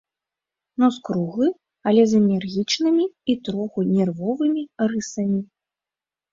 Нос круглы, але з энергічнымі і троху нервовымі рысамі.